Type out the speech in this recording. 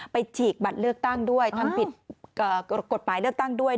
ฉีกบัตรเลือกตั้งด้วยทำผิดกฎหมายเลือกตั้งด้วย